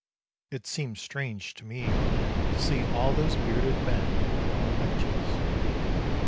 It seemed strange to me to see all those bearded men on our benches.